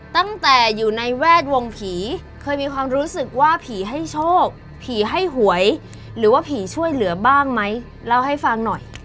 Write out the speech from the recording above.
ตั้งแต่อยู่ในแวดวงผีเคยมีความรู้สึกว่าผีให้โชคผีให้หวยหรือว่าผีช่วยเหลือบ้างไหมเล่าให้ฟังหน่อย